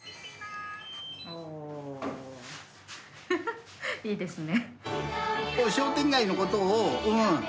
ハハッいいですね。